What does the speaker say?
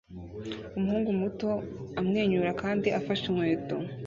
Umuhungu muto amwenyura kandi afashe inkweto